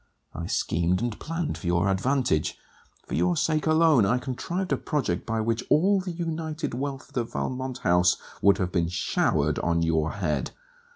I schemed and planned for your advantage. For your sake alone, I contrived a project by which all the united wealth of the Valmont house would have been showered on your head.